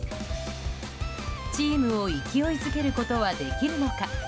チームを勢いづけることはできるのか。